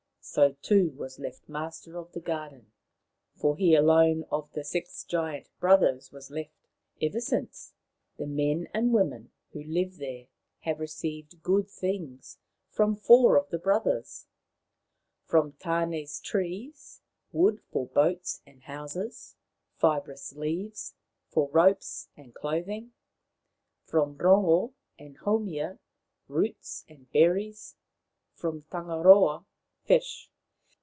So Tu was left master of the garden, for he alone of the six giant brothers was left. Ever since, the men and women who live there have received good things from four of the brothers — from Tane's trees wood for boats and houses, fibrous leaves for ropes and clothing ; from Rongo and Haumia Tiki 33 roots and berries ; from Tangaroa fish.